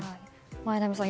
榎並さん